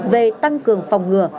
về tăng cường phòng ngừa